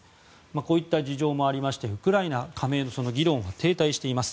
こういった事情もありましてウクライナ加盟の議論が停滞しています。